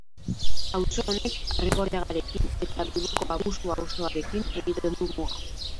Auzo honek Arrigorriagarekin eta Bilboko Abusu auzoarekin egiten du muga.